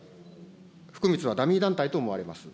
ふくみつはダミー団体と思われます。